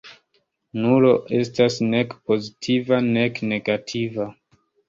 Nulo estas nek pozitiva nek negativa.